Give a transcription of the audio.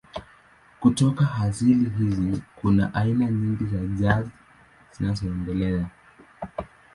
Kutoka asili hizi kuna aina nyingi za jazz zilizoendelea.